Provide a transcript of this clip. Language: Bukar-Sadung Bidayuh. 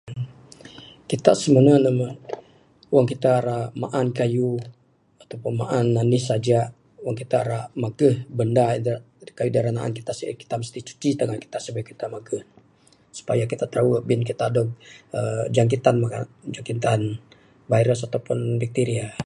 Kitak semenu ne, wang kitak rak maan kayuh atau pun maan anih saja wang kitak rak maguh benda da' kayuh da rak naan kitak sai, kitak mesti cuci tangan kitak sibayuh kitak maguh nu'. Supaya kitak tirawu' kita dog uhh jangkitan-jangkitan virus atau pun bakteria.